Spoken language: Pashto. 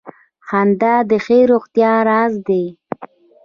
• خندا د ښې روغتیا راز دی.